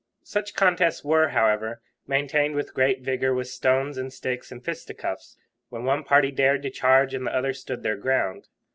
Such contests were, however, maintained with great vigour with stones and sticks and fisticuffs, when one party dared to charge and the other stood their ground.